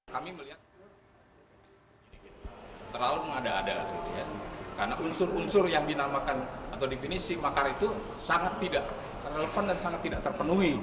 kiflan menjawab pertanyaan yang diajukan penyidik polri